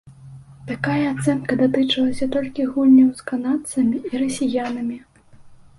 Такая ацэнка датычылася толькі гульняў з канадцамі і расіянамі.